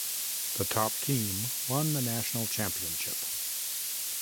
The top team won the national championship.